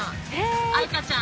愛花ちゃん